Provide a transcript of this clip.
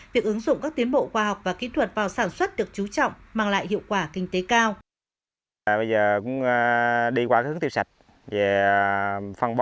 việc ứng dụng các tiến bộ khoa học và kỹ thuật vào sản xuất được trú trọng mang lại hiệu quả kinh tế cao